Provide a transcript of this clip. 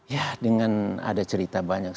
ya dengan ada cerita banyak